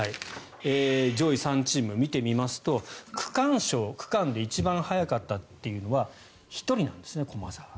上位３チーム、見てみますと区間賞区間で一番速かったというのは１人なんですね、駒澤。